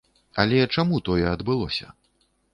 Але чаму тое адбылося?